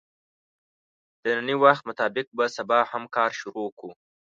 د نني وخت مطابق به سبا هم کار شروع کوو